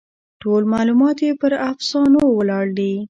ټول معلومات یې پر افسانو ولاړ دي.